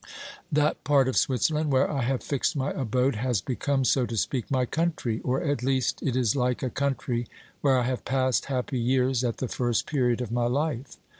That part of Switzerland where I have fixed my abode has become, so to speak, my country, or at least, it is like a country where I have passed happy years at the first period of my life.